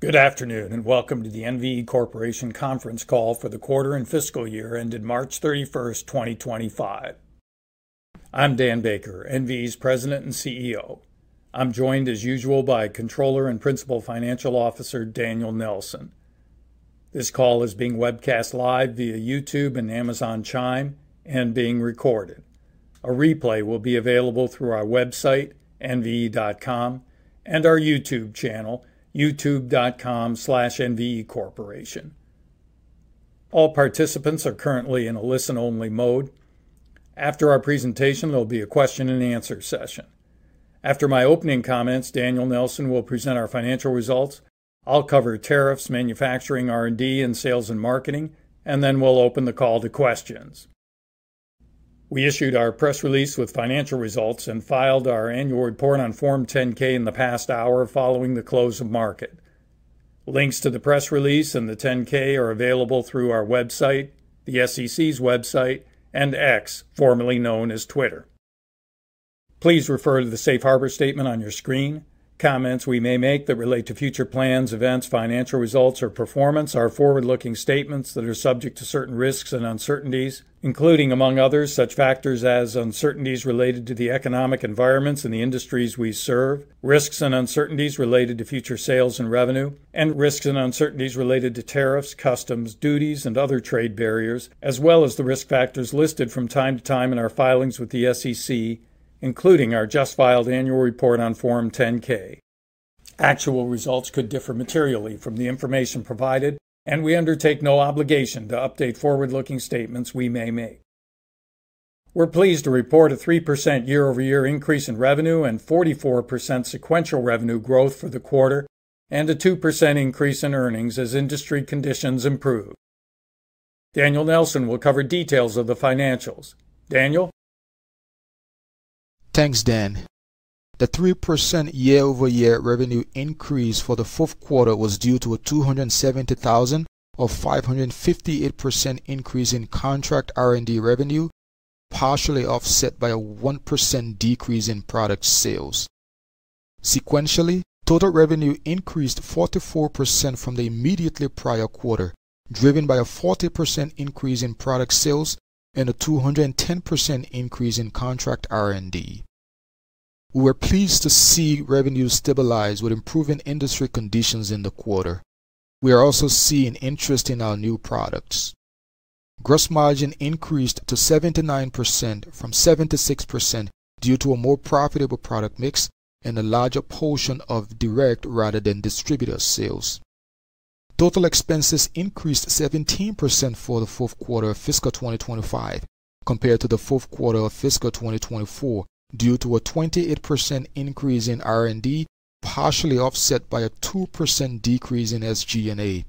Good afternoon and welcome to the NVE Corporation Conference Call for the quarter and fiscal year ended March 31st, 2025. I'`m Dan Baker, NVE's President and CEO. I'm joined as usual by Controller and Principal Financial Officer Daniel Nelson. This call is being webcast live via YouTube and Amazon Chime and being recorded. A replay will be available through our website, nve.com, and our YouT`ube channel, youtube.com/nvecorporation. All participants are currently in a listen-only mode. After our presentation, there'll be a question-and-answer session. After my opening comments, Daniel Nelson will present our financial results. I'll cover tariffs, manufacturing, R and D, and sales and marketing, and then we'll open the call to questions. We issued our press release with financial results and filed our annual report on Form 10-K in the past hour following the close of market. Links to the press release and the 10-K are available through our website, the SEC's website, and X, formerly known as Twitter. Please refer to the safe harbor statement on your screen. Comments we may make that relate to future plans, events, financial results, or performance are forward-looking statements that are subject to certain risks and uncertainties, including, among others, such factors as uncertainties related to the economic environments and the industries we serve, risks and uncertainties related to future sales and revenue, and risks and uncertainties related to tariffs, customs, duties, and other trade barriers, as well as the risk factors listed from time to time in our filings with the SEC, including our just filed annual report on Form 10-K. Actual results could differ materially from the information provided, and we undertake no obligation to update forward-looking statements we may make. We're pleased to report a 3% year-over-year increase in revenue and 44% sequential revenue growth for the quarter, and a 2% increase in earnings as industry conditions improve. Daniel Nelson will cover details of the financials. Daniel? Thanks, Dan. The 3% year-over-year revenue increase for the fourth quarter was due to a $270,000 or 558% increase in contract R and D revenue, partially offset by a 1% decrease in product sales. Sequentially, total revenue increased 44% from the immediately prior quarter, driven by a 40% increase in product sales and a 210% increase in contract R and D. We were pleased to see revenue stabilize with improving industry conditions in the quarter. We are also seeing interest in our new products. Gross margin increased to 79% from 76% due to a more profitable product mix and a larger portion of direct rather than distributor sales. Total expenses increased 17% for the fourth quarter of fiscal 2025 compared to the fourth quarter of fiscal 2024 due to a 28% increase in R and D, partially offset by a 2% decrease in SG&A.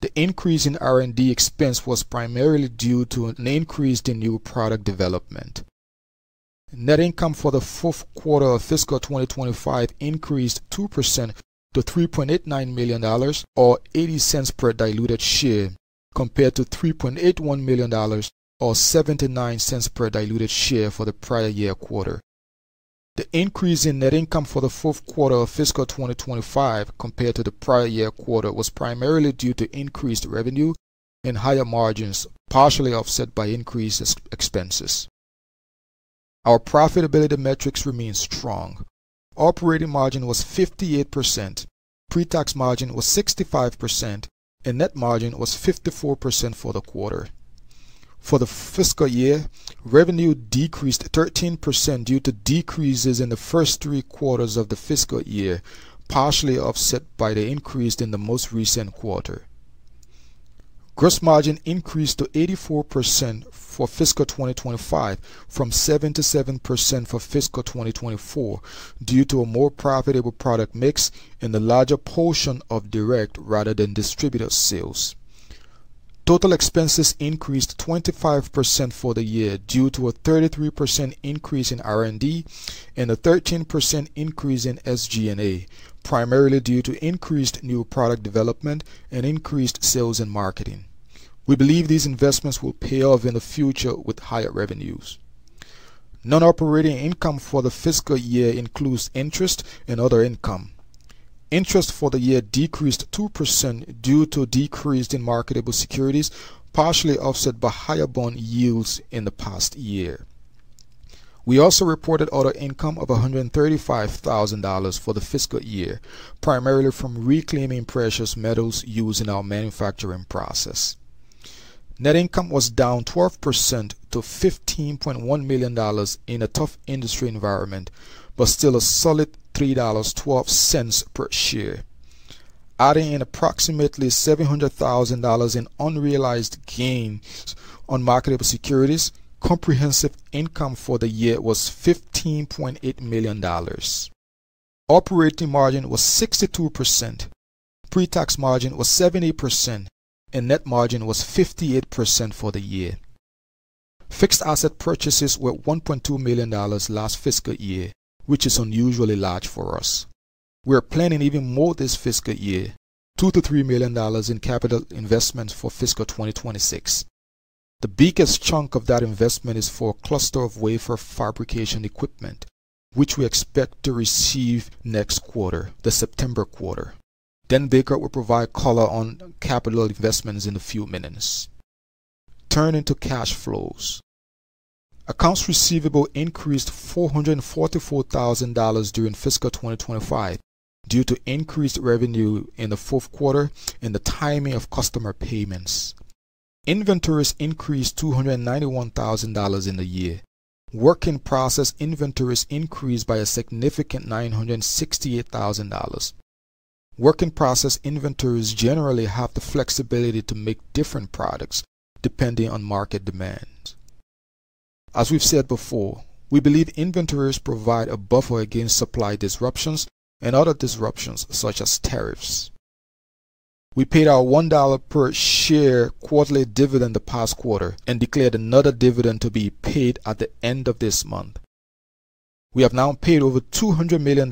The increase in R and D expense was primarily due to an increase in new product development. Net income for the fourth quarter of fiscal 2025 increased 2% to $3.89 million or $0.80 per diluted share compared to $3.81 million or $0.79 per diluted share for the prior year quarter. The increase in net income for the fourth quarter of fiscal 2025 compared to the prior year quarter was primarily due to increased revenue and higher margins, partially offset by increased expenses. Our profitability metrics remain strong. Operating margin was 58%, pre-tax margin was 65%, and net margin was 54% for the quarter. For the fiscal year, revenue decreased 13% due to decreases in the first three quarters of the fiscal year, partially offset by the increase in the most recent quarter. Gross margin increased to 84% for fiscal 2025 from 77% for fiscal 2024 due to a more profitable product mix and a larger portion of direct rather than distributor sales. Total expenses increased 25% for the year due to a 33% increase in R and D and a 13% increase in SG&A, primarily due to increased new product development and increased sales and marketing. We believe these investments will pay off in the future with higher revenues. Non-operating income for the fiscal year includes interest and other income. Interest for the year decreased 2% due to a decrease in marketable securities, partially offset by higher bond yields in the past year. We also reported other income of $135,000 for the fiscal year, primarily from reclaiming precious metals used in our manufacturing process. Net income was down 12% to $15.1 million in a tough industry environment, but still a solid $3.12 per share. Adding in approximately $700,000 in unrealized gain on marketable securities, comprehensive income for the year was $15.8 million. Operating margin was 62%, pre-tax margin was 70%, and net margin was 58% for the year. Fixed asset purchases were $1.2 million last fiscal year, which is unusually large for us. We are planning even more this fiscal year: $2 million-$3 million in capital investments for fiscal 2026. The biggest chunk of that investment is for cluster of wafer fabrication equipment, which we expect to receive next quarter, the September quarter. Dan Baker will provide color on capital investments in a few minutes. Turning to cash flows, accounts receivable increased $444,000 during fiscal 2025 due to increased revenue in the fourth quarter and the timing of customer payments. Inventories increased $291,000 in the year. Work in process inventories increased by a significant $968,000. Work in process inventories generally have the flexibility to make different products depending on market demands. As we've said before, we believe inventories provide a buffer against supply disruptions and other disruptions such as tariffs. We paid our $1 per share quarterly dividend the past quarter and declared another dividend to be paid at the end of this month. We have now paid over $200 million,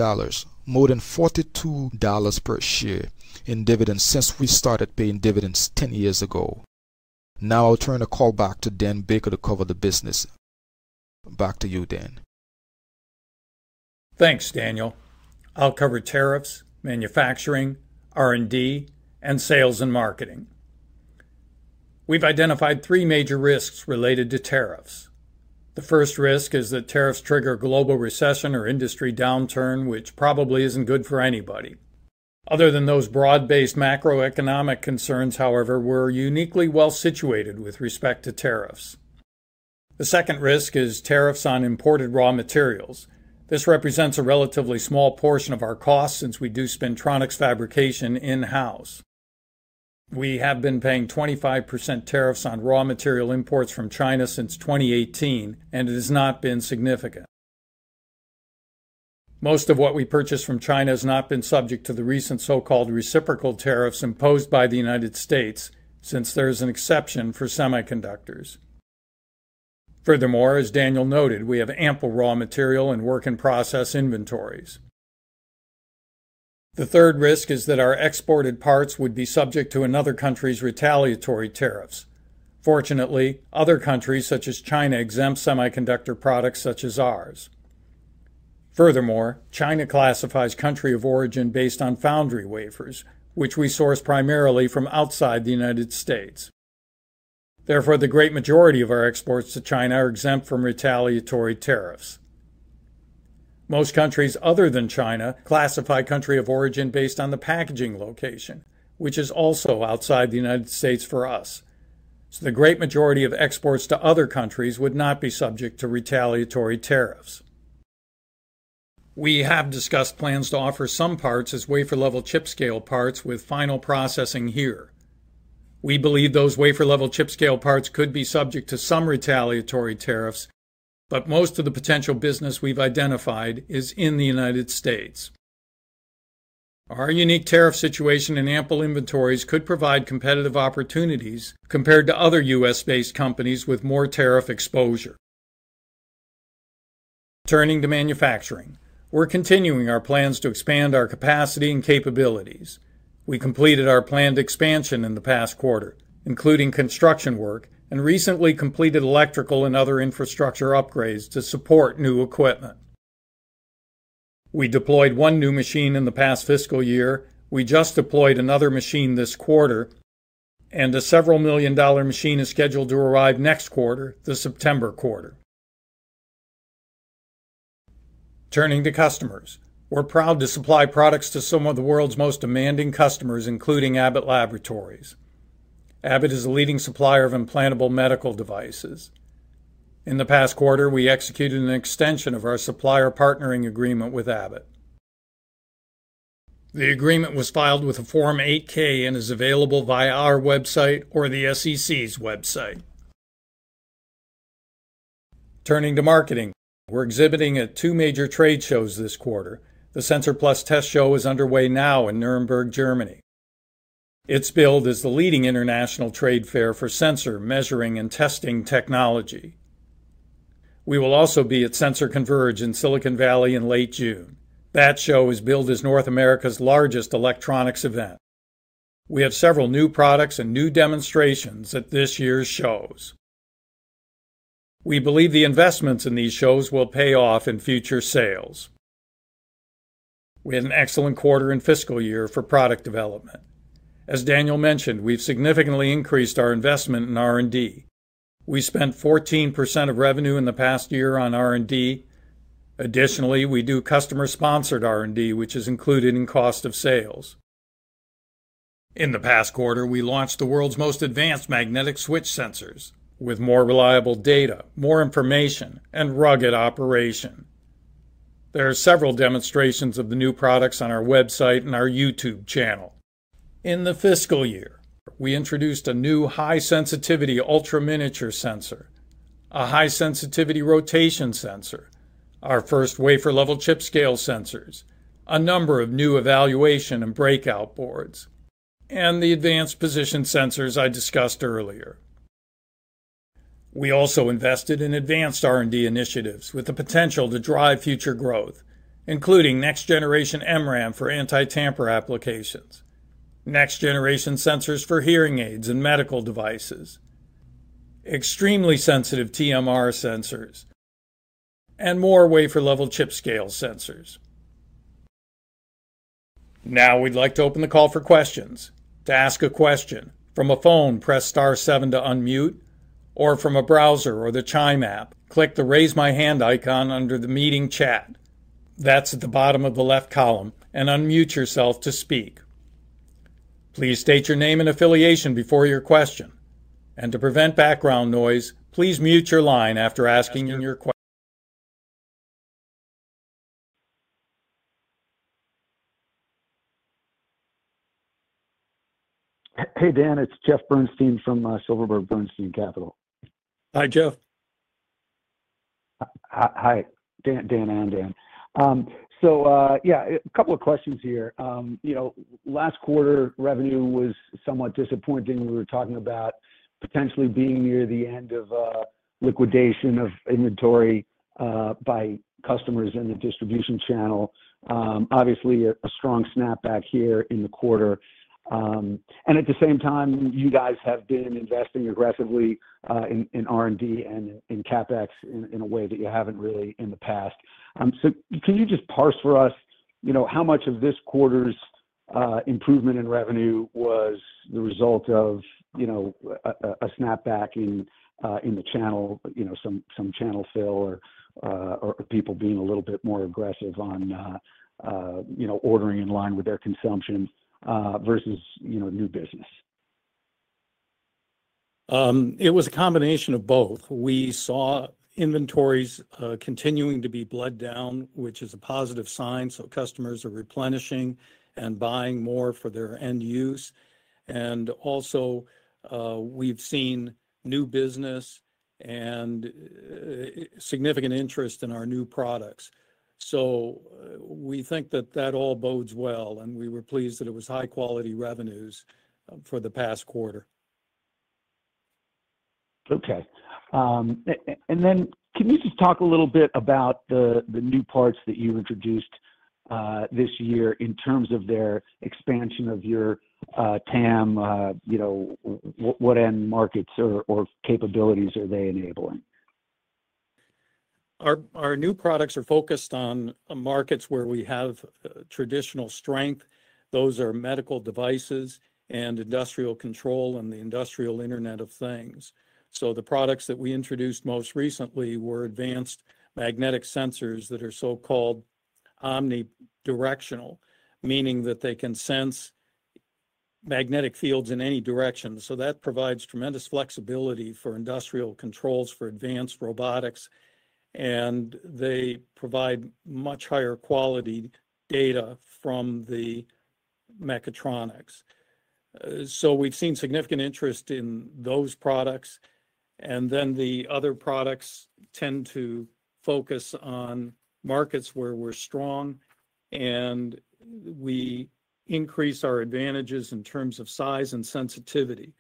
more than $42 per share in dividends since we started paying dividends 10 years ago. Now I'll turn the call back to Dan Baker to cover the business. Back to you, Dan. Thanks, Daniel. I'll cover tariffs, manufacturing, R and D, and sales and marketing. We've identified three major risks related to tariffs. The first risk is that tariffs trigger a global recession or industry downturn, which probably isn't good for anybody. Other than those broad-based macroeconomic concerns, however, we're uniquely well situated with respect to tariffs. The second risk is tariffs on imported raw materials. This represents a relatively small portion of our costs since we do spintronics fabrication in-house. We have been paying 25% tariffs on raw material imports from China since 2018, and it has not been significant. Most of what we purchase from China has not been subject to the recent so-called reciprocal tariffs imposed by the United States since there is an exception for semiconductors. Furthermore, as Daniel noted, we have ample raw material and work in process inventories. The third risk is that our exported parts would be subject to another country's retaliatory tariffs. Fortunately, other countries such as China exempt semiconductor products such as ours. Furthermore, China classifies country of origin based on foundry wafers, which we source primarily from outside the United States. Therefore, the great majority of our exports to China are exempt from retaliatory tariffs. Most countries other than China classify country of origin based on the packaging location, which is also outside the United States for us. The great majority of exports to other countries would not be subject to retaliatory tariffs. We have discussed plans to offer some parts as wafer-level chip scale parts with final processing here. We believe those wafer-level chip scale parts could be subject to some retaliatory tariffs, but most of the potential business we've identified is in the United States. Our unique tariff situation and ample inventories could provide competitive opportunities compared to other U.S.-based companies with more tariff exposure. Turning to manufacturing, we're continuing our plans to expand our capacity and capabilities. We completed our planned expansion in the past quarter, including construction work, and recently completed electrical and other infrastructure upgrades to support new equipment. We deployed one new machine in the past fiscal year. We just deployed another machine this quarter, and a several million dollar machine is scheduled to arrive next quarter, the September quarter. Turning to customers, we're proud to supply products to some of the world's most demanding customers, including Abbott Laboratories. Abbott is a leading supplier of implantable medical devices. In the past quarter, we executed an extension of our supplier partnering agreement with Abbott. The agreement was filed with a Form 8-K and is available via our website or the SEC's website. Turning to marketing, we're exhibiting at two major trade shows this quarter. The SENSOR + TEST Show is underway now in Nuremberg, Germany. It is billed as the leading international trade fair for sensor measuring and testing technology. We will also be at Sensors Converge in Silicon Valley in late June. That show is billed as North America's largest electronics event. We have several new products and new demonstrations at this year's shows. We believe the investments in these shows will pay off in future sales. We had an excellent quarter and fiscal year for product development. As Daniel mentioned, we've significantly increased our investment in R and D. We spent 14% of revenue in the past year on R and D. Additionally, we do customer-sponsored R and D, which is included in cost of sales. In the past quarter, we launched the world's most advanced magnetic switch sensors with more reliable data, more information, and rugged operation. There are several demonstrations of the new products on our website and our YouTube channel. In the fiscal year, we introduced a new high-sensitivity ultraminiature sensor, a high-sensitivity rotation sensor, our first wafer-level chip scale sensors, a number of new evaluation and breakout boards, and the advanced position sensors I discussed earlier. We also invested in advanced R and D initiatives with the potential to drive future growth, including next-generation MRAM for anti-tamper applications, next-generation sensors for hearing aids and medical devices, extremely sensitive TMR sensors, and more wafer-level chip scale sensors. Now we'd like to open the call for questions. To ask a question, from a phone, press star seven to unmute, or from a browser or the Chime app, click the Raise My Hand icon under the meeting chat. That is at the bottom of the left column, and unmute yourself to speak. Please state your name and affiliation before your question. To prevent background noise, please mute your line after asking your question. Hey, Dan. It's Jeff Bernstein from Silverberg Bernstein Capital. Hi, Jeff. Hi, Dan and Dan. Yeah, a couple of questions here. Last quarter revenue was somewhat disappointing. We were talking about potentially being near the end of liquidation of inventory by customers in the distribution channel. Obviously, a strong snapback here in the quarter. At the same time, you guys have been investing aggressively in R and D and in CapEx in a way that you have not really in the past. Can you just parse for us how much of this quarter's improvement in revenue was the result of a snapback in the channel, some channel fill, or people being a little bit more aggressive on ordering in line with their consumption versus new business? It was a combination of both. We saw inventories continuing to be bled down, which is a positive sign. Customers are replenishing and buying more for their end use. Also, we've seen new business and significant interest in our new products. We think that that all bodes well, and we were pleased that it was high-quality revenues for the past quarter. Okay. Can you just talk a little bit about the new parts that you introduced this year in terms of their expansion of your TAM, what end markets or capabilities are they enabling? Our new products are focused on markets where we have traditional strength. Those are medical devices and industrial control and the industrial internet of things. The products that we introduced most recently were advanced magnetic sensors that are so-called omnidirectional, meaning that they can sense magnetic fields in any direction. That provides tremendous flexibility for industrial controls, for advanced robotics, and they provide much higher quality data from the mechatronics. We have seen significant interest in those products. The other products tend to focus on markets where we are strong, and we increase our advantages in terms of size and sensitivity.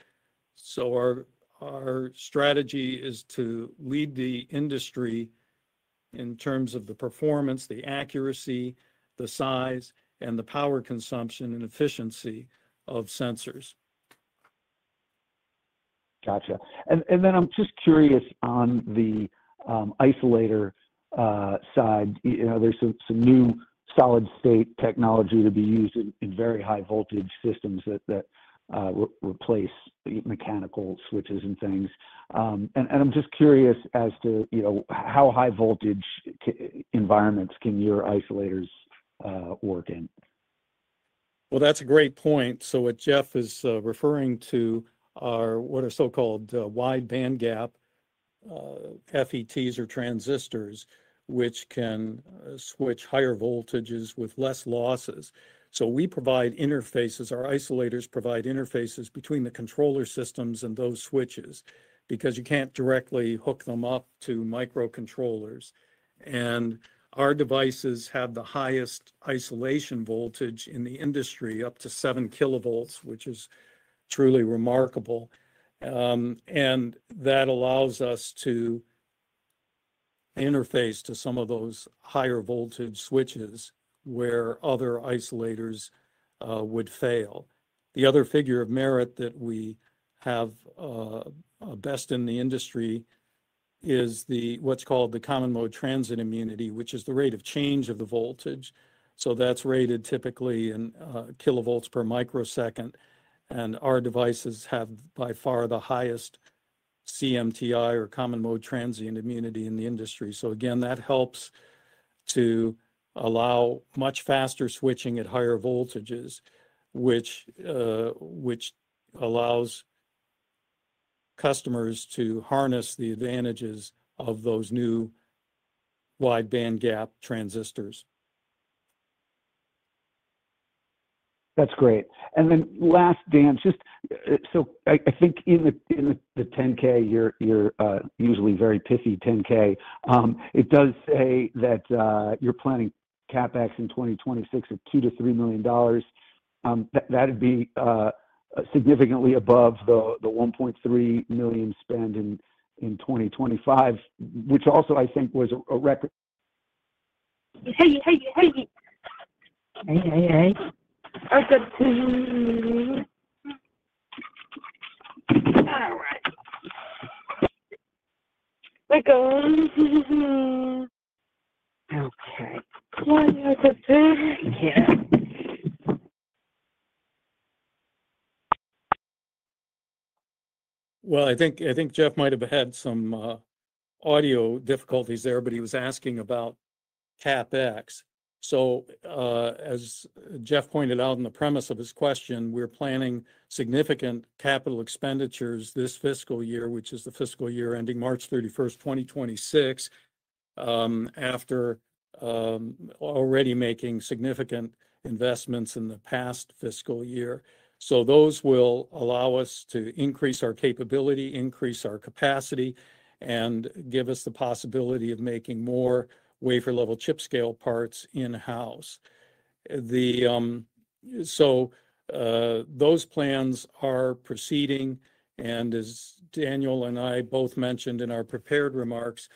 Our strategy is to lead the industry in terms of the performance, the accuracy, the size, and the power consumption and efficiency of sensors. Gotcha. I'm just curious on the isolator side. There's some new solid-state technology to be used in very high-voltage systems that replace mechanical switches and things. I'm just curious as to how high-voltage environments can your isolators work in? That's a great point. What Jeff is referring to are what are so-called wide band gap FETs or transistors, which can switch higher voltages with less losses. We provide interfaces; our isolators provide interfaces between the controller systems and those switches because you can't directly hook them up to microcontrollers. Our devices have the highest isolation voltage in the industry, up to 7 kV, which is truly remarkable. That allows us to interface to some of those higher-voltage switches where other isolators would fail. The other figure of merit that we have best in the industry is what's called the common mode transient immunity, which is the rate of change of the voltage. That's rated typically in kilovolts per microsecond. Our devices have by far the highest CMTI or common mode transient immunity in the industry. Again, that helps to allow much faster switching at higher voltages, which allows customers to harness the advantages of those new wide band gap transistors. That's great. Last, Dan, just so I think in the 10-K, you're usually very pithy, 10-K, it does say that you're planning CapEx in 2026 of $2 million-$3 million. That'd be significantly above the $1.3 million spend in 2025, which also I think was a record. I think Jeff might have had some audio difficulties there, but he was asking about CapEx. As Jeff pointed out in the premise of his question, we're planning significant capital expenditures this fiscal year, which is the fiscal year ending March 31st, 2026, after already making significant investments in the past fiscal year. Those will allow us to increase our capability, increase our capacity, and give us the possibility of making more wafer-level chip scale parts in-house. Those plans are proceeding. As Daniel and I both mentioned in our prepared remarks,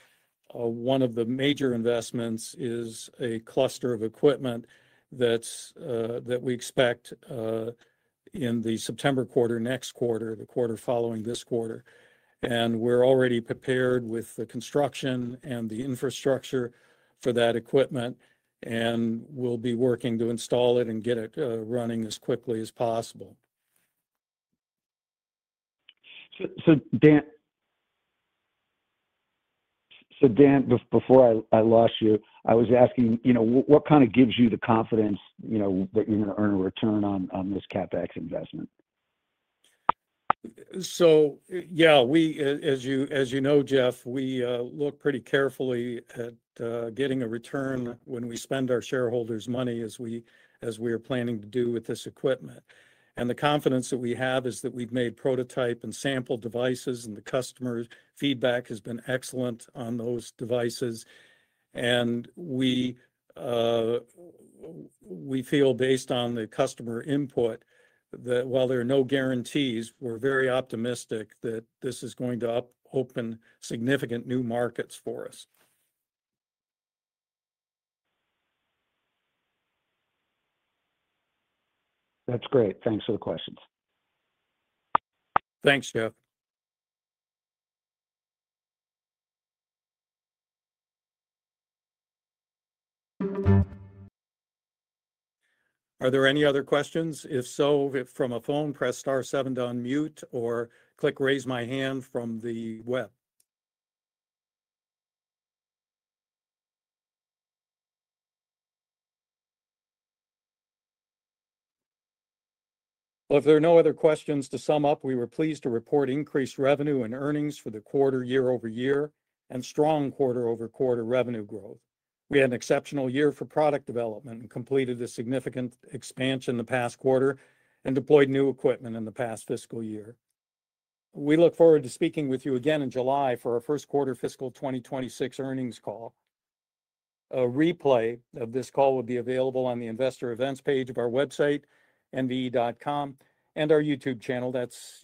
one of the major investments is a cluster of equipment that we expect in the September quarter, next quarter, the quarter following this quarter. We're already prepared with the construction and the infrastructure for that equipment and will be working to install it and get it running as quickly as possible. Dan, before I lost you, I was asking what kind of gives you the confidence that you're going to earn a return on this CapEx investment? Yeah, as you know, Jeff, we look pretty carefully at getting a return when we spend our shareholders' money as we are planning to do with this equipment. The confidence that we have is that we've made prototype and sample devices, and the customer feedback has been excellent on those devices. We feel, based on the customer input, that while there are no guarantees, we're very optimistic that this is going to open significant new markets for us. That's great. Thanks for the questions. Thanks, Jeff. Are there any other questions? If so, from a phone, press star seven to unmute or click Raise My Hand from the web. If there are no other questions, to sum up, we were pleased to report increased revenue and earnings for the quarter year-over-year and strong quarter-over-quarter revenue growth. We had an exceptional year for product development and completed a significant expansion the past quarter and deployed new equipment in the past fiscal year. We look forward to speaking with you again in July for our first quarter fiscal 2026 earnings call. A replay of this call will be available on the investor events page of our website, nve.com, and our YouTube channel. That's.